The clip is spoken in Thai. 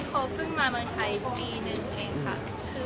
ก็รู้สึกตกใจเพราะเราก็ไม่อยากเสียเพื่อนไป